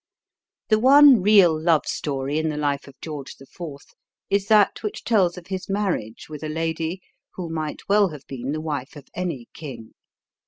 The one real love story in the life of George IV. is that which tells of his marriage with a lady who might well have been the wife of any king.